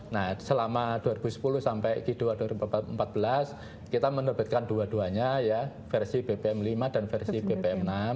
nah selama dua ribu sepuluh sampai ki dua ribu empat belas kita menerbitkan dua duanya ya versi bpm lima dan versi bpm enam